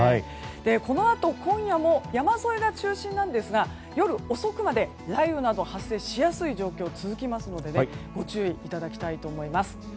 このあと、今夜も山沿いが中心なんですが夜遅くまで雷雨などが発生しやすい状況が続きますのでご注意いただきたいと思います。